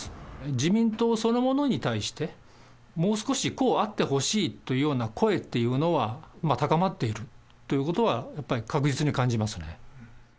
自民党そのものに対して、もう少しこうあってほしいというような声っていうのは高まっているということは、やっぱり確実に感じますね。